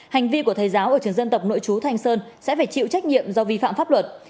hành vi của thầy giáo ở trường dân tộc nội chú thanh sơn sẽ phải chịu trách nhiệm do vi phạm pháp luật